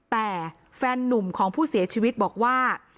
แต่แฟนนุ่มของผู้เสียชีวิตบอกว่า